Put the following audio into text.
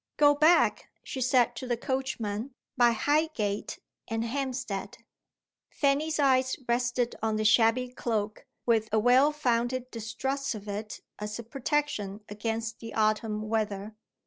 Go back," she said to the coachman, "by Highgate and Hampstead." Fanny's eyes rested on the shabby cloak with a well founded distrust of it as a protection against the autumn weather.